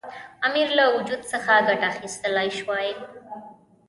امیر له وجود څخه ګټه اخیستلای شوای.